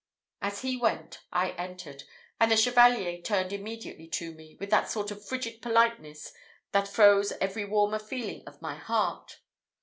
As he went I entered, and the Chevalier turned immediately to me, with that sort of frigid politeness, that froze every warmer feeling of my heart.